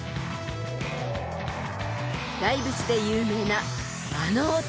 ［大仏で有名なあのお寺］